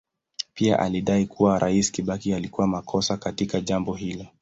Pia alidai kuwa Rais Kibaki alikuwa makosa katika jambo hilo.